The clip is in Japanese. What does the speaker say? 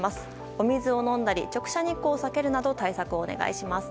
お水を飲んだり直射日光を避けるなど対策をお願いします。